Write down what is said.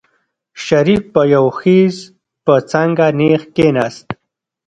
شريف په يو خېز په څانګه نېغ کېناست.